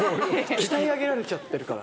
鍛え上げられちゃってるから。